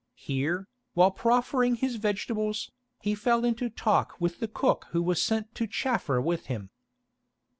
Here, while proffering his vegetables, he fell into talk with the cook who was sent to chaffer with him.